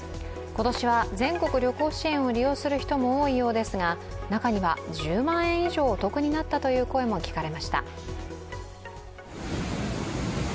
今年は全国旅行支援を利用する人も多いようですが中には１０万円以上お得になったという声も聞かれました。